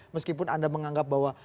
meskipun anda menganggap bahwa